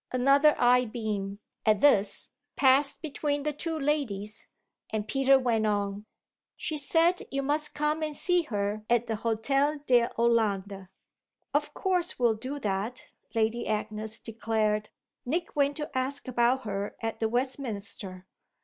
Another eye beam, at this, passed between the two ladies and Peter went on: "She said you must come and see her at the Hôtel de Hollande." "Of course we'll do that," Lady Agnes declared. "Nick went to ask about her at the Westminster."